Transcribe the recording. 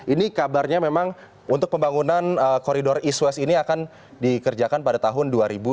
ini kabarnya memang untuk pembangunan koridor east west ini akan dikerjakan pada tahun dua ribu dua puluh